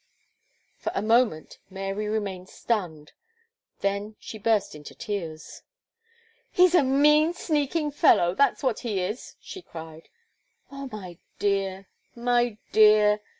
For a moment, Mary remained stunned; then she burst into tears. "He's a mean, sneaking fellow! that's what he is!" she cried. "Oh, my dear my dear!"